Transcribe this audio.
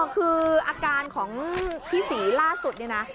คืออาการของพี่ศรีล่าสุดเนี่ยนะ